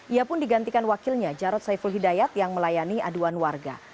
ia pun digantikan wakilnya jarod saiful hidayat yang melayani aduan warga